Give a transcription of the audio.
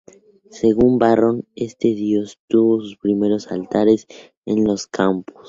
Según Varrón, este Dios tuvo sus primeros altares en los campos.